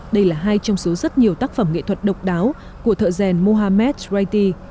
đây là hai trong số rất nhiều tác phẩm nghệ thuật độc đáo của thợ rèn mohamed traiti